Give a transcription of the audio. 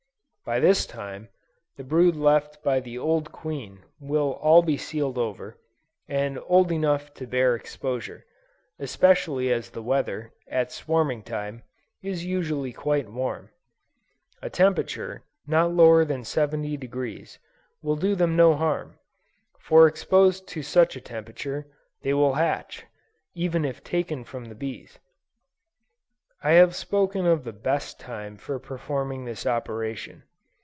By this time, the brood left by the old queen, will all be sealed over, and old enough to bear exposure, especially as the weather, at swarming time, is usually quite warm. A temperature, not lower than 70°, will do them no harm, for if exposed to such a temperature, they will hatch, even if taken from the bees. I have spoken of the best time for performing this operation.